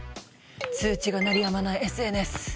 通知が鳴りやまないＳＮＳ。